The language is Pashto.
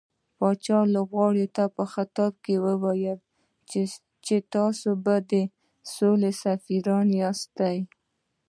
پاچا لوبغاړو ته په خطاب کې وويل چې تاسو د سولې سفيران ياست .